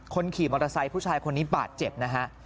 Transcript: ขี่มอเตอร์ไซค์ผู้ชายคนนี้บาดเจ็บนะฮะ